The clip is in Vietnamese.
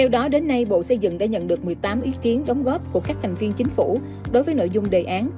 đó đến nay bộ xây dựng đã nhận được một mươi tám ý kiến đóng góp của các thành viên chính phủ đối với nội dung đề án